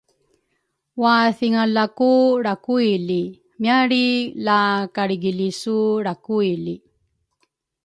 wathingalaku lrakuili, mialri la kalrikilisu lrakuili.